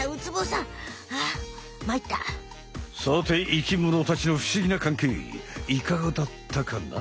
さて生きものたちの不思議な関係いかがだったかな？